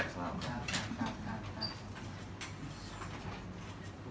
ครับครับครับ